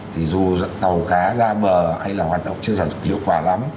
thì dù tàu cá ra bờ hay là hoạt động chưa hiệu quả lắm